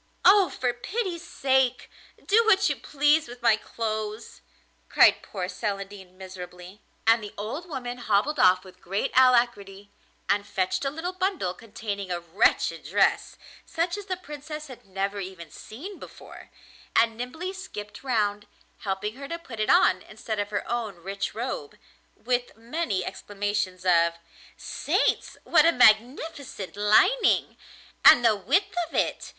'Oh! for pity's sake, do what you please with my clothes,' cried poor Celandine miserably. And the old woman hobbled off with great alacrity, and fetched a little bundle containing a wretched dress, such as the Princess had never even seen before, and nimbly skipped round, helping her to put it on instead of her own rich robe, with many exclamations of: 'Saints! what a magnificent lining! And the width of it!